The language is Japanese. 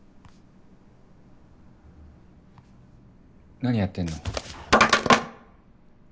何やってんの？